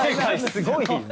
すごい！